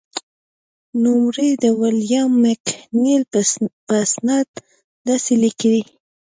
نوموړی د ویلیام مکنیل په استناد داسې لیکي.